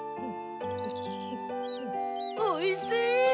おいしい！